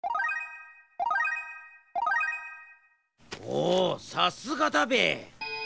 おさすがだべえ。